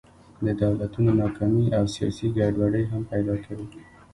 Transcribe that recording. د دولتونو ناکامي او سیاسي ګډوډۍ هم پیدا کوي.